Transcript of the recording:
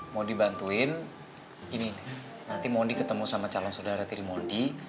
mau dibantuin gini nanti mondi ketemu sama calon saudara tiri mondi